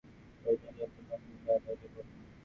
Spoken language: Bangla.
তা হলে এখানে আমাদের রোজ রোজ নতুন নতুন নমুনো দেখা বন্ধ?